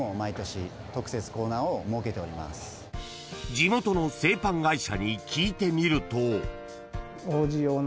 ［地元の製パン会社に聞いてみると］